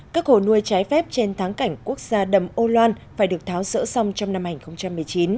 các hồ nuôi trái phép trên tháng cảnh quốc gia đầm âu loan phải được tháo sỡ xong trong năm hai nghìn một mươi chín